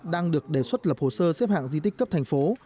đang được đề xuất lập hồ sơ xếp hạng di tích cấp thành phố